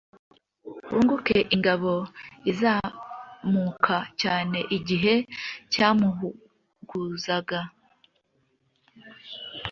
Wunguke ingabo izamuka cyane igihe cyamuhuzaga